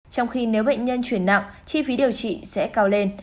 trong khi nếu bệnh nhân chuyển nặng chi phí điều trị sẽ cao lên